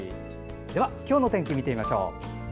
では今日の天気見てみましょう。